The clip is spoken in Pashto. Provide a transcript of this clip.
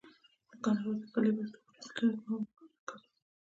د کندهار د قلعه بست د غوري سلطنت مهم مرکز و